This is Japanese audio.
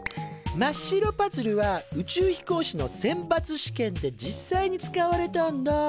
まっ白パズルは宇宙飛行士の選抜試験で実際に使われたんだ。